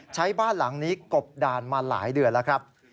ใช้บ้านหลังนี้กบดานมาหลายเดือนแล้วครับ